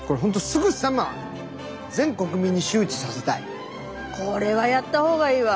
すぐさまこれはやった方がいいわ。